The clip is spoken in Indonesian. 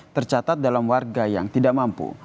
tercatat dalam warga yang tidak mampu